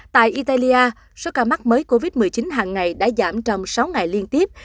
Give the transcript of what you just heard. tại italia số ca mắc mới covid một mươi chín hàng ngày đã giảm trong sáu ngày liên tiếp